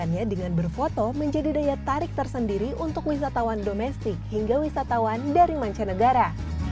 membuatnya menjadi daya tarik tersendiri untuk wisatawan domestik hingga wisatawan dari manca negara